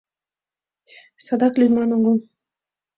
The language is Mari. Садак лӱдман огыл.